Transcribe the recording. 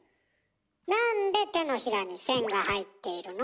なんで手のひらに線が入っているの？